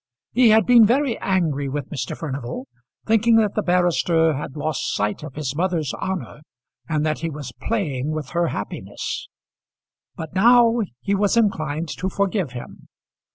He had been very angry with Mr. Furnival, thinking that the barrister had lost sight of his mother's honour, and that he was playing with her happiness. But now he was inclined to forgive him.